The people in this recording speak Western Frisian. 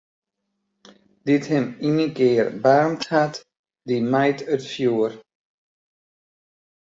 Dy't him ienkear baarnd hat, dy mijt it fjoer.